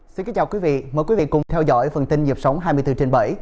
xin kính chào quý vị mời quý vị cùng theo dõi phần tin dịp sống hai mươi bốn trên bảy